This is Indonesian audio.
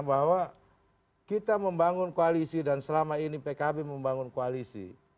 bahwa kita membangun koalisi dan selama ini pkb membangun koalisi